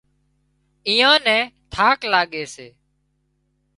ايئان نين ٿاڪ لاڳي سي